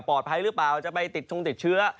ปลอดภัยหรือเปล่าจะไปติดทุ่งติดเชื้อ